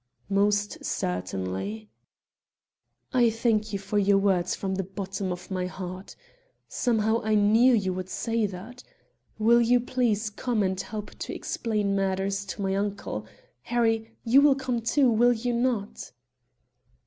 "Most certainly." "I thank you for your words from the bottom of my heart. Somehow, I knew you would say that. Will you please come and help to explain matters to my uncle? Harry, you will come too, will you not?"